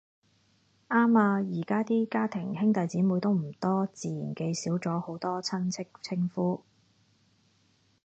啱呀，而家啲家庭兄弟姊妹都唔多，自然記少咗好多親戚稱呼